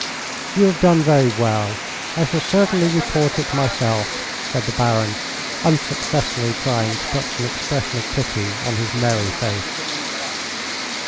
"You have done very well. I shall certainly report it myself," said the Baron, unsuccessfully trying to put an expression of pity on his merry face.